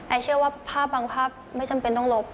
เชื่อว่าภาพบางภาพไม่จำเป็นต้องลบ